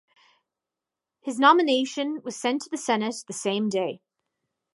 His nomination was sent to the Senate the same day.